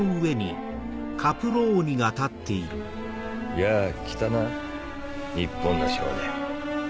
やぁ来たな日本の少年。